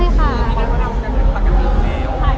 มันก็น่าจะเป็นฝากกับมีนแนว